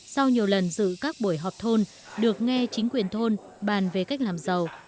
sau nhiều lần dự các buổi họp thôn được nghe chính quyền thôn bàn về cách làm giàu